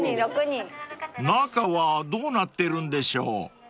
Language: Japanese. ［中はどうなってるんでしょう？］